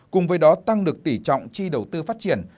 cùng với đó tăng được tỷ trọng tri đầu tư phát triển